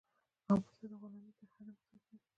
او بل ته د غلامۍ تر حده محتاج نه وي.